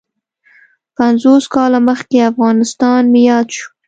پنځوس کاله مخکې افغانستان مې یاد شو.